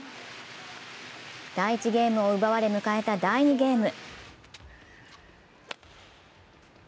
第１ゲームを奪われ迎えた第２ゲーム。